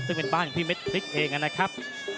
ซึ่งเป็นบ้านของพี่เม็ดพริกเองนะครับ